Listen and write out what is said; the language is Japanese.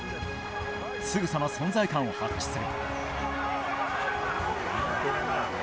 すぐさま存在感を発揮する。